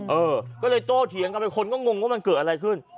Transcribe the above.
เออก็เลยโตเถียงกันไปคนก็งงว่ามันเกิดอะไรขึ้น